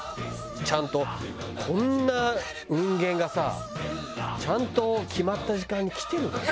ちゃんとこんな人間がさちゃんと決まった時間に来てるんだよ。